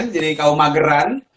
jadi kaum mageran